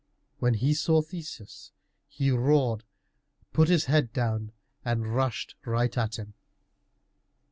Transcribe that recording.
When he saw Theseus, he roared and put his head down and rushed right at him.